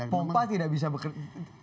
pompah tidak bisa berpengaruh